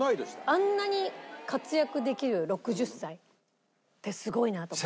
あんなに活躍できる６０歳ってすごいなと。